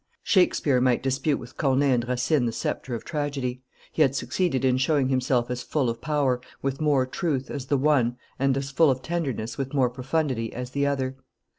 Shakespeare might dispute with Corneille and Racine the sceptre of tragedy; he had succeeded in showing himself as full of power, with more truth, as the one, and as full of tenderness, with more profundity, as the other.